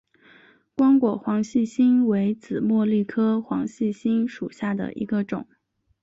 光果黄细心为紫茉莉科黄细心属下的一个种。